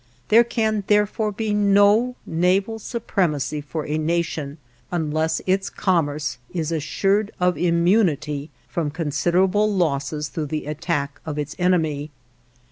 There can, therefore, be no naval supremacy for a nation unless its commerce is assured of immunity from considerable losses through the attack of its enemy.